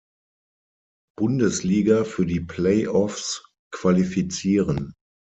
Bundesliga für die Play-Offs qualifizieren.